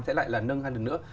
sẽ lại là nâng hai lần nữa